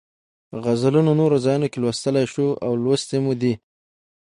غزلونه نورو ځایونو کې لوستلی شو او لوستې مو دي.